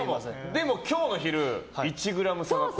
でも、今日の昼１ｇ差だったよ。